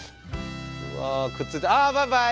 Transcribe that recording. うわくっついてあバイバイ！